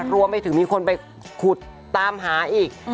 รวมไปถึงมีคนไปขุดตามหาอีก